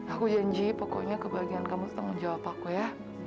aku janji pokoknya kebahagiaan kamu setengah menjawab aku ya